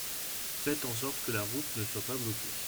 Faites en sorte que la route de soit pas bloquée.